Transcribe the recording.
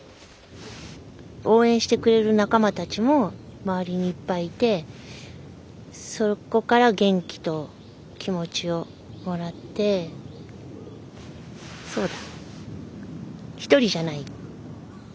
応援してくれる仲間たちも周りにいっぱいいてそこから元気と気持ちをもらってそうだ一人じゃない。